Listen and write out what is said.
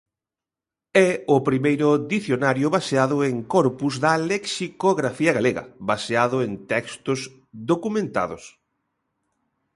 É o primeiro dicionario baseado en corpus da lexicografía galega, baseado en textos documentados.